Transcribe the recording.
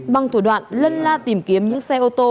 bằng thủ đoạn lân la tìm kiếm những xe ô tô